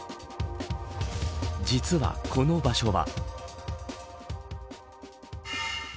実はこの場所は。